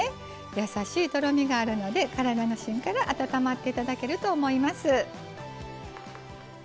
やさしいとろみがあるので体の芯から温まっていただけると思います。